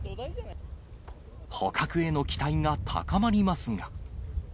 捕獲への期待が高まりますが。